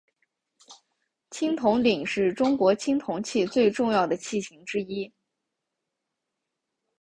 青铜鼎是中国青铜器最重要的器形之一。